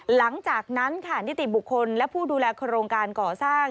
หลังจากนั้นค่ะนิติบุคคลและผู้ดูแลโครงการก่อสร้าง